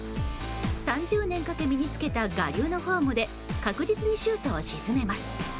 ３０年かけ、身に付けた我流のフォームで確実にシュートを沈めます。